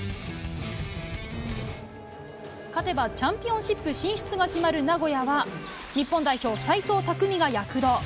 勝てばチャンピオンシップ進出が決まる名古屋は、日本代表、齋藤拓実が躍動。